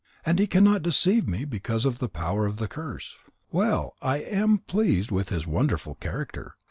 And he cannot deceive me because of the power of the curse. Well, I am pleased with his wonderful character.